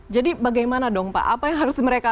jadi bagaimana dong pak apa yang harus mereka